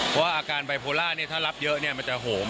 เพราะอาการไบโพล่าถ้ารับเยอะมันจะโหม